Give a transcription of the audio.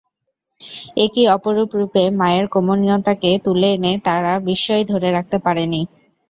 একি অপরূপ রূপে মায়ের কোমনীয়তাকে তুলে এনে তারা বিস্ময় ধরে রাখতে পারেননি।